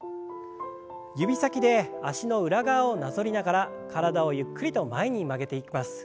指先で脚の裏側をなぞりながら体をゆっくりと前に曲げていきます。